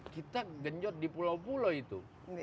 kita genjot di pulau pulau itu